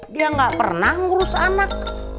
dia gak pernah ngurus anak